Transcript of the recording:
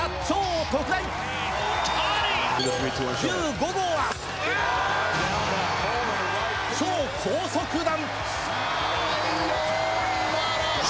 超高速弾！